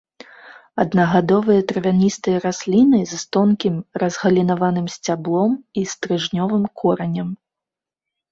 Аднагадовыя травяністыя расліны з тонкім разгалінаваным сцяблом і стрыжнёвым коранем.